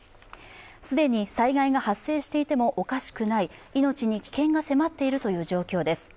既に災害が発生していてもおかしくない、命に危険が迫っているという状況です。